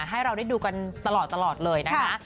ให้เราได้ดูกันตลอดเลยนะคะ